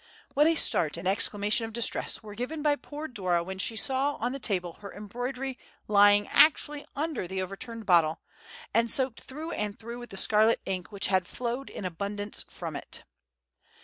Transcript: What a start and exclamation of distress were given by poor Dora when she saw on the table her embroidery lying actually under the overturned bottle, and soaked through and through with the scarlet ink which had flowed in abundance from it!